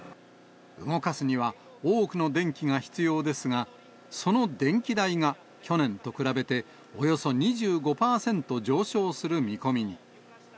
動かすには、多くの電気が必要ですが、その電気代が去年と比べておよそ２５％上昇する見込みに。